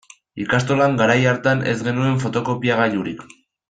Ikastolan garai hartan ez genuen fotokopiagailurik.